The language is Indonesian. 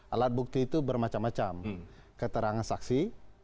alat bukti itu bermacam macam keterangan saksi